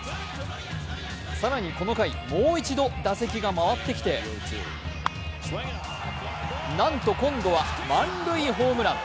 更にこの回、もう一度、打席が回ってきてなんと今度は満塁ホームラン。